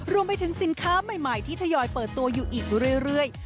รวมไปถึงสินค้าใหม่ที่ทยอยเปิดตัวอยู่อีกเรื่อย